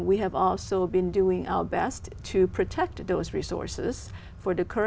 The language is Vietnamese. nhưng bên ngoài đó tôi nghĩ điều này rất hỗ trợ là